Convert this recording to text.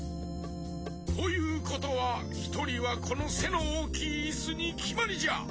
ということはひとりはこのせのおおきいイスにきまりじゃ！